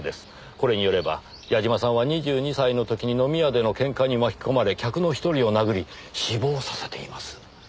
これによれば矢嶋さんは２２歳の時に飲み屋でのケンカに巻き込まれ客の１人を殴り死亡させています。